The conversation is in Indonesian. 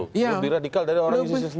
lebih radikal dari orang indonesia sendiri